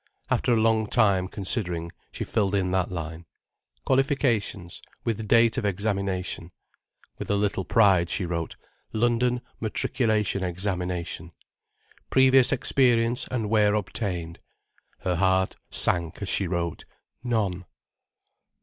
After a long time considering, she filled in that line. "Qualifications, with date of Examination:..." With a little pride she wrote: "London Matriculation Examination." "Previous experience and where obtained:..." Her heart sank as she wrote: "None."